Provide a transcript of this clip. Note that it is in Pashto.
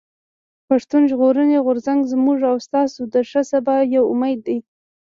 پښتون ژغورني غورځنګ زموږ او ستاسو د ښه سبا يو امېد دی.